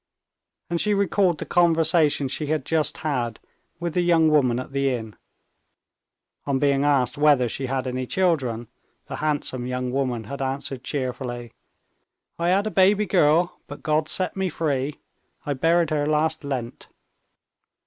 And she recalled the conversation she had just had with the young woman at the inn. On being asked whether she had any children, the handsome young woman had answered cheerfully: "I had a girl baby, but God set me free; I buried her last Lent."